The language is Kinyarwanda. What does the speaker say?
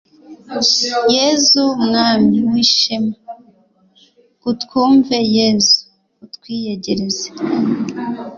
yezu mwami w'ishema. utwumve yezu; utwiyegereze